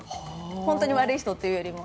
本当に悪い人というよりも。